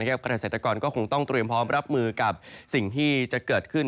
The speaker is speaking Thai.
เกษตรกรก็คงต้องเตรียมพร้อมรับมือกับสิ่งที่จะเกิดขึ้น